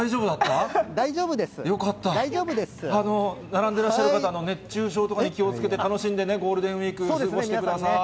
並んでらっしゃる方、熱中症とかに気をつけて、楽しんでね、ゴールデンウィーク、過ごしてください。